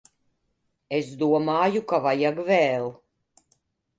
Es domāju ka vajag vēl.